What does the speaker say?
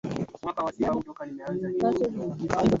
Hakuna yule aliyeniamini wala kunionea huruma.